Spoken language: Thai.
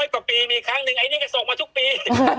กว่าปีมีครั้งหนึ่งไอ้นี่ก็ส่งมาทุกปี